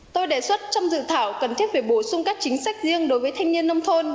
tôi đề xuất trong dự thảo cần thiết về bổ sung các chính sách riêng đối với thanh niên nông thôn